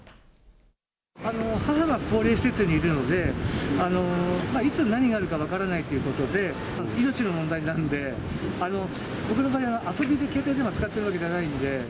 母が高齢施設にいるので、いつ何があるか分からないということで、命の問題になるので、僕の場合は遊びで携帯電話使ってるわけじゃないんで。